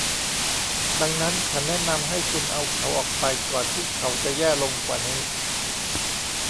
ดังนั้นฉันแนะนำให้คุณเอาเขาออกไปก่อนที่เขาจะแย่ลงกว่านี้